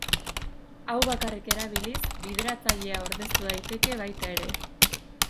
Hau bakarrik erabiliz, bideratzailea ordeztu daiteke baita ere.